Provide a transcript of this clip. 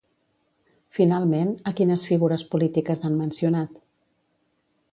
Finalment, a quines figures polítiques han mencionat?